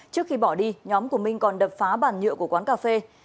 trước khi bỏ đi nhóm của minh còn đập phá bàn nhựa của quán cà phê